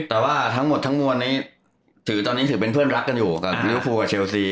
แต่ว่าทั้งหมดทั้งมวลนี้ถือตอนนี้ถือเป็นเพื่อนรักกันอยู่กับลิเวอร์ฟูกับเชลซี